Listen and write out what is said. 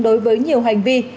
đối với nhiều hành vi